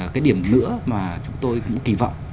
cái điểm nữa mà chúng tôi cũng kỳ vọng